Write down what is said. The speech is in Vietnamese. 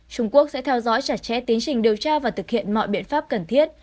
trung quốc sẽ theo dõi chặt chẽ tiến trình điều tra và thực hiện mọi biện pháp cần thiết